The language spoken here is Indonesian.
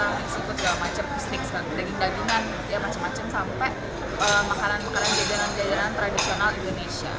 yang disiapkan dalam macam kustik daging dagingan macam macam sampai makanan makanan jajanan jajanan tradisional